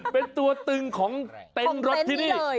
เป็นตัวตึงของเต็นต์รถที่นี่